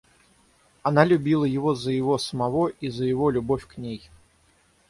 Она любила его за его самого и за его любовь к ней.